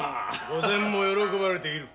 御前も喜ばれている。